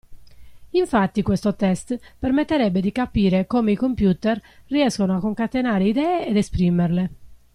Infatti questo test permetterebbe di capire come i computer riescono a concatenare idee ed esprimerle.